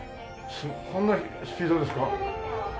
こんなスピードですか？